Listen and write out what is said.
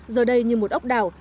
giờ đây như một ốc đảo